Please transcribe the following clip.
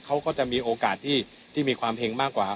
เขาก็จะมีโอกาสที่มีความเห็งมากกว่า